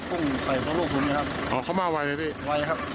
พุ่งไข่ซะลูกฝุ่นไหมครับอ๋อเขามาไว้ไหมพี่ไว้ครับ